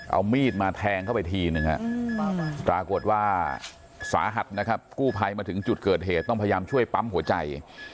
เอามีดมาแทงเข้าไปทีนึงปรากฏว่าสาหัสนะครับกู้ภัยมาถึงจุดเกิดเหตุต้องพยายามช่วยปั๊มหัวใจ